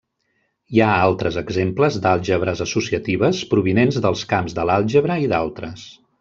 Hi ha altres exemples d'àlgebres associatives provinents dels camps de l'àlgebra i d'altres.